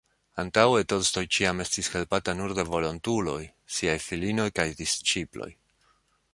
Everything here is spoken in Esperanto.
Antaŭe Tolstoj ĉiam estis helpata nur de volontuloj, siaj filinoj kaj «disĉiploj».